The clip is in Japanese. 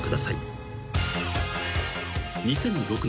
［２００６年。